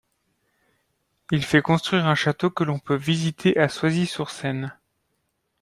Il fait construire un château que l'on peut visiter à Soisy-sur-Seine.